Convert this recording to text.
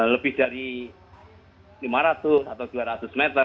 lebih dari lima ratus atau dua ratus meter